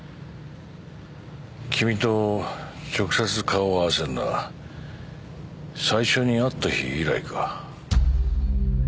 君と直接顔を合わせるのは最初に会った日以来か。